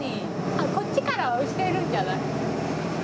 あっこっちから押せるんじゃない？